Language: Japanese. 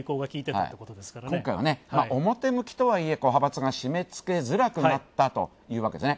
今回は、表向きとはいえ、派閥が締めつけづらくなったというわけですね。